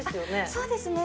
そうですね